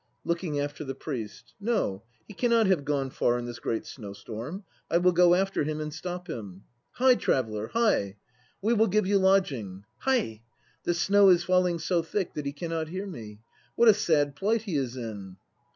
(Looking after the PRIEST.) No, he cannot have gone far in this great snow storm. I will go after him and stop him. Hie, traveller, hie! We will give you lodging. Hie! The snow is falling so thick that he cannot hear me. What a sad plight he is in.